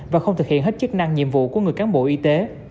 và không thực hiện hết chức năng nhiệm vụ của người cán bộ y tế